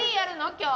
今日。